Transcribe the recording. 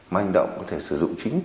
manh động có thể sử dụng chính